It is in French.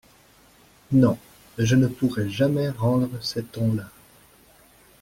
Non, je ne pourrai jamais rendre ces tons-là…